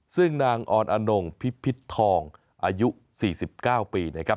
ซึ่งนางออนอนงพิพิษทองอายุ๔๙ปีนะครับ